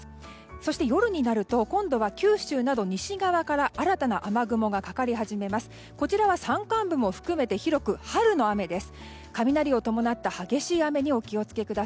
そして、夜になると今度は九州など西側から新たな雨雲がかかり始めます。